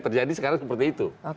terjadi sekarang seperti itu